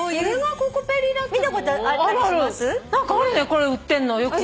これ売ってんのよく。